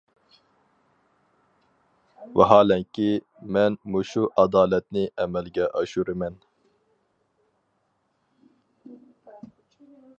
ۋاھالەنكى، مەن مۇشۇ ئادالەتنى ئەمەلگە ئاشۇرىمەن.